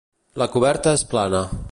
La coberta és plana.